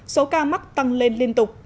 số ca mắc tăng lên liên tục